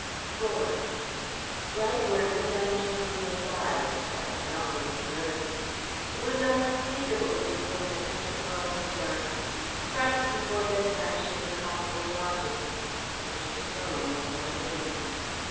IV Bright were Miss Angelina's eyes but not with mirth. It was unspeakable, this thing that Mr. Sloan had done. Thrice before bedtime she called his lodgings. Mr. Sloan was not in.